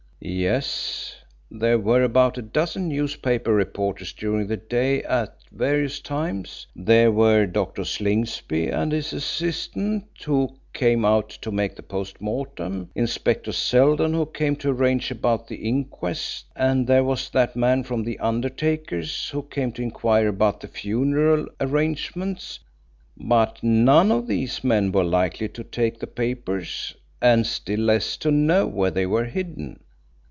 "Yes. There were about a dozen newspaper reporters during the day at various times. There were Dr. Slingsby and his assistant, who came out to make the post mortem: Inspector Seldon, who came to arrange about the inquest, and there was that man from the undertakers who came to inquire about the funeral arrangements. But none of these men were likely to take the papers, and still less to know where they were hidden.